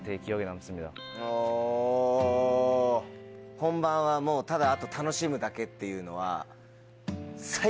本番はもうただあと楽しむだけっていうのは。